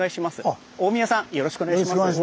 よろしくお願いします。